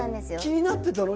気になってたの？